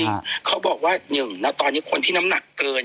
เขาบอกว่าหนึ่งนะตอนนี้คนที่น้ำหนักเกิน